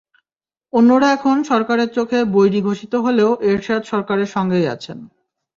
অন্যরা এখন সরকারের চোখে বৈরী ঘোষিত হলেও এরশাদ সরকারের সঙ্গেই আছেন।